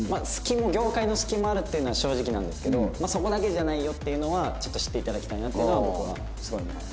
業界の隙もあるっていうのは正直なんですけどそこだけじゃないよっていうのはちょっと知って頂きたいなというのは僕はすごい思います。